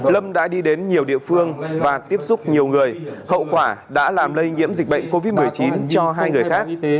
lâm đã đi đến nhiều địa phương và tiếp xúc nhiều người hậu quả đã làm lây nhiễm dịch bệnh covid một mươi chín cho hai người khác